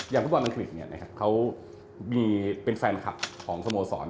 ฟุตบอลอังกฤษเขามีเป็นแฟนคลับของสโมสร